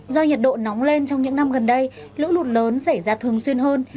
do nhiệt độ nóng lên trong những năm gần đây lũ lụt lớn xảy ra thường xuyên hơn